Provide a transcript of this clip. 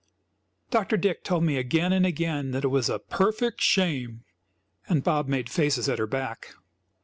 Dr. Dick told me again and again that it was "a perfect shame!" and Bob made faces at her back.